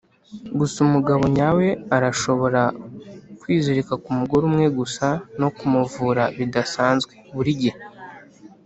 gusa umugabo nyawe arashobora kwizirika kumugore umwe gusa no kumuvura bidasanzwe, burigihe.